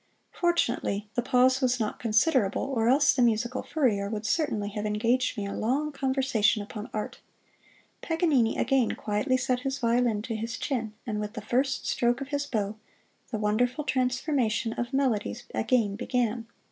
Fortunately, the pause was not considerable, or else the musical furrier would certainly have engaged me in a long conversation upon art. Paganini again quietly set his violin to his chin, and with the first stroke of his bow the wonderful transformation of melodies again began.